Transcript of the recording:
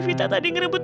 kita aja bisa duduk